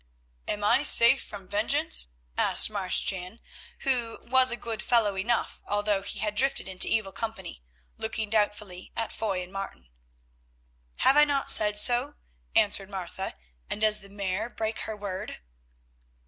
"Am I safe from vengeance?" asked Marsh Jan, who was a good fellow enough although he had drifted into evil company, looking doubtfully at Foy and Martin. "Have I not said so," answered Martha, "and does the Mare break her word?"